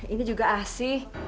ini juga asi